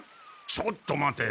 ちょっと待て！